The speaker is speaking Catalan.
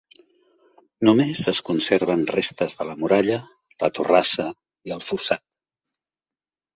Només es conserven restes de la muralla, la torrassa i el fossat.